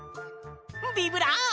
ビブラボ！